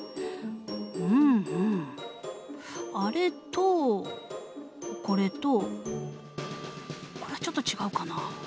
うんうんあれとこれとこれはちょっと違うかな？